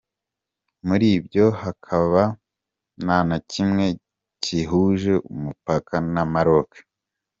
Muri byo hakaba nta na kimwe gihuje umupaka na Maroke.